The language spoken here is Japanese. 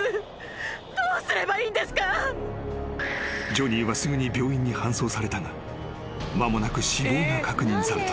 ［ジョニーはすぐに病院に搬送されたが間もなく死亡が確認された］